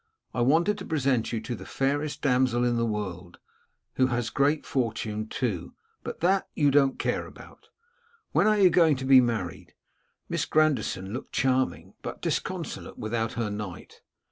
I wanted to present you to the fairest damsel in the world, who has a great fortune too; but that you don't care about. When are you going to be married? Miss Grandison looked charming, but disconsolate without her knight.